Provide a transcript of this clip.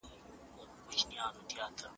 خپل تاریخي وياړونه مه هېروئ.